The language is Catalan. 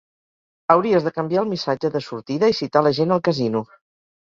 Hauries de canviar el missatge de sortida i citar la gent al casino.